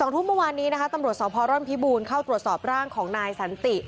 ทุ่มเมื่อวานนี้นะคะตำรวจสพร่อนพิบูลเข้าตรวจสอบร่างของนายสันติ